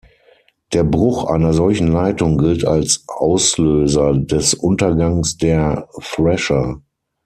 Der Bruch einer solchen Leitung gilt als Auslöser des Untergangs der "Thresher".